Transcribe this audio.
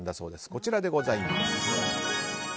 こちらでございます。